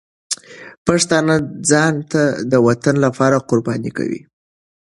پښتانه ځان د وطن لپاره قرباني کوي.